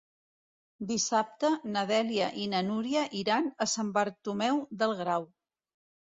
Dissabte na Dèlia i na Núria iran a Sant Bartomeu del Grau.